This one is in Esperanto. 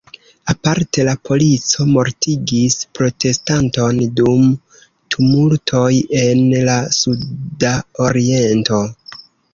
Aparte la polico mortigis protestanton dum tumultoj en la sudaoriento.